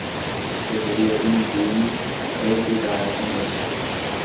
deveria inibir-me até de dar começo.